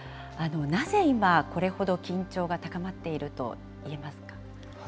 なぜ今、これほど緊張が高まっていると言えますか。